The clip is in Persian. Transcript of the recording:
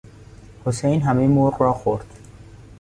حسین همهی مرغ را خورد.